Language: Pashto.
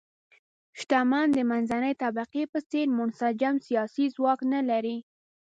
شتمن د منځنۍ طبقې په څېر منسجم سیاسي ځواک نه لري.